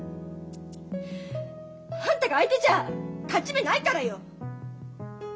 あんたが相手じゃ勝ち目ないからよ。